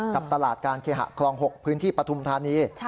กับตลาดการเคหะคลอง๖พื้นที่ปฐุมธานี